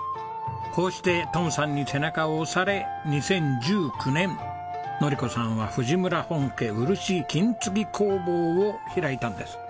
こうしてトムさんに背中を押され２０１９年のり子さんは藤村本家漆・金継ぎ工房を開いたんです。